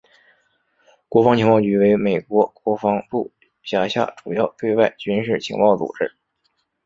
国防情报局为美国国防部辖下主要对外军事情报组织。